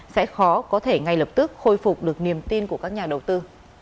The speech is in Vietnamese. sẽ khó có thể ngay lập tức khôi phục được niềm tin của các nhà đầu tư